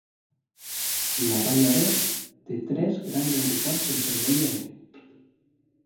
La Bay Area té tres grans aeroports amb servei aeri.